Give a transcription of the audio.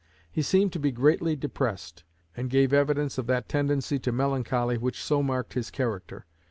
He seemed to be greatly depressed, and gave evidence of that tendency to melancholy which so marked his character.